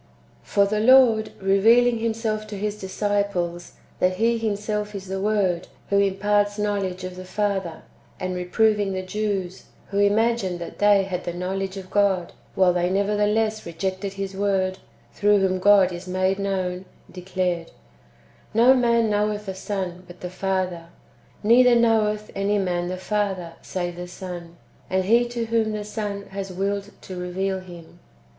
1. For the Lord, revealing Himself to His disciples, that He Himself is the Word, who imparts knowledge of the Father, and reproving the Jews, who imagined that they had [the knowledge of] God, while they nevertheless rejected His Word, through whom God is made known, declared, "No man knoweth the Son, but the Father ; neither knoweth any man the Father, save the Son, and he to whom the Son has willed to reveal [Him]."